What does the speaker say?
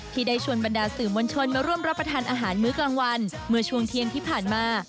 ที่ได้ชวนบรรดาสื่อมวลชนมาร่วมรับประทานอาหารมื้อกลางวันเมื่อช่วงเที่ยงที่ผ่านมา